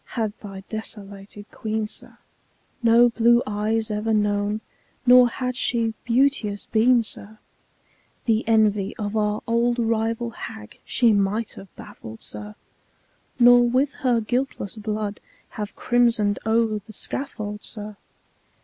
had thy desolated Queen, sir, No blue eyes ever known, nor had she beauteous been, sir, The envy of our old rival hag she might have baffled, sir, Nor with her guiltless blood have crimson'd o'er the scaffold, sir.